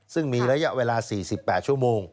ซึ่งมีระยะเวลา๔๘ชั่วโมง